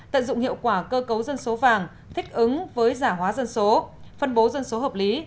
tận dụng hiệu quả cơ cấu dân số vàng thích ứng với giả hóa dân số phân bố dân số hợp lý